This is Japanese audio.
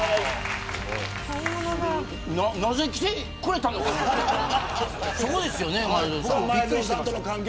なぜ来てくれたのかなと。